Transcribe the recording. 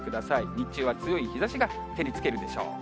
日中は強い日ざしが照りつけるでしょう。